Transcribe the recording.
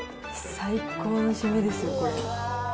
最高の締めですよ、これ。